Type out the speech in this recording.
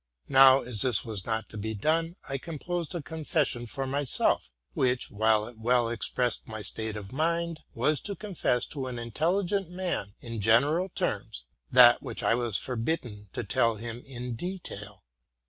Now, as this was not to be done, I composed a confession for myself, which, while it well expressed my state of mind, was to confess to an intelligent man, in general terms, that which I was for bidden to tell him in detail.